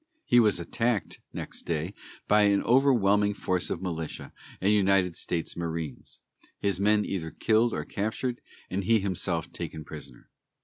He was attacked next day by an overwhelming force of militia and United States marines, his men either killed or captured, and he himself taken prisoner.